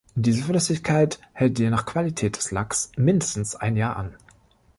Diese Flüssigkeit hält je nach Qualität des Lacks mindestens ein Jahr an.